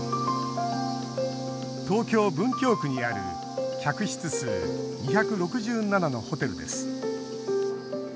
東京・文京区にある客室数２６７のホテルです。